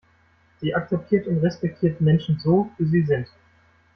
Sie akzeptiert und respektiert Menschen so, wie sie sind.